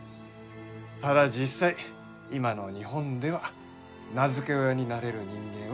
ただ実際今の日本では名付け親になれる人間はいない。